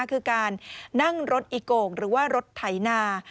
คือการนั่งรถอีโกกหรือว่ารถไถนา